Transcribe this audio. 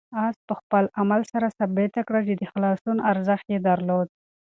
آس په خپل عمل سره ثابته کړه چې د خلاصون ارزښت یې درلود.